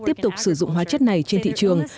tiếp tục sử dụng hóa chất này trên thị trường